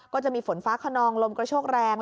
ก็จะมีฝนฟ้าขนองลมกระโชกแรง